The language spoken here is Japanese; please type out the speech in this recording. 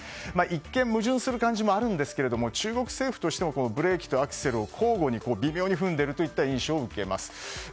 一見、矛盾する感じもあるんですが、中国政府としてもブレーキとアクセルを交互に踏んでいるように見えます。